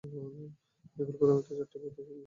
এগুলি প্রধানত চারটি বৈদিক সংহিতা।